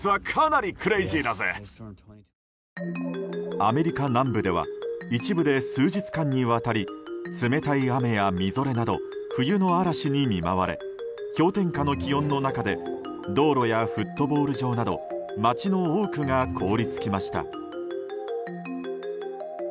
アメリカ南部では一部で数日間にわたり冷たい雨やみぞれなど冬の嵐に見舞われ氷点下の気温の中で道路やフットボール場など街の多くが凍り付きました。